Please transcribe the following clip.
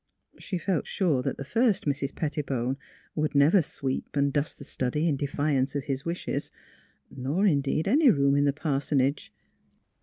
She felt sure that the first Mrs. Pettibone would never sweep and dust the study in defiance of his wishes — nor, indeed, any room in the parsonage.